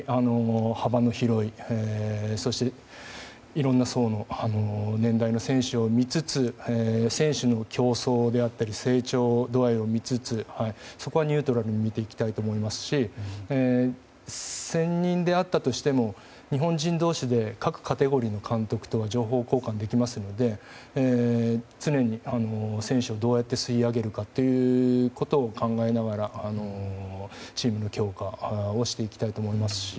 幅の広い、そしていろいろな層の年代の選手を見つつ、選手の競争であったり成長度合いを見つつそこはニュートラルに見ていきたいと思いますし専任であったとしても日本人同士で各カテゴリーの監督と情報交換できますので常に選手をどう吸い上げるかを考えながらチームの強化をしていきたいと思います。